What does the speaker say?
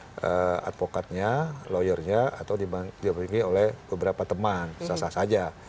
didampingi oleh advokatnya lawyernya atau didampingi oleh beberapa teman sah sah saja